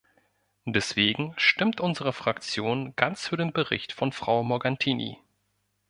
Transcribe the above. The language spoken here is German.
Deswegen stimmt unsere Fraktion ganz für den Bericht von Frau Morgantini.